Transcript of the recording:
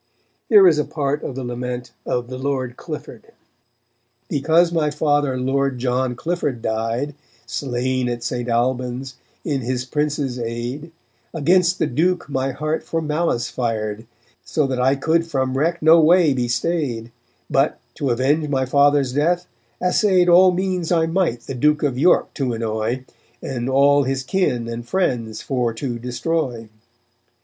Here is part of the lament of "The Lord Clifford": _Because my father Lord John Clifford died, Slain at St. Alban's, in his prince's aid, Against the Duke my heart for malice fired, So that I could from wreck no way be stayed, But, to avenge my father's death, assayed All means I might the Duke of York to annoy, And all his kin and friends for to destroy.